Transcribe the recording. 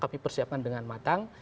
tapi persiapkan dengan matang